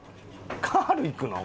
カールいくの？